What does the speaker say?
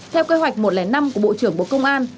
theo kế hoạch một trăm linh năm của bộ trưởng bộ công an